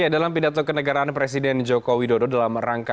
dalam pidato kenegaraan presiden joko widodo dalam rangka